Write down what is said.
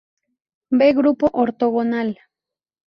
Ve grupo ortogonal.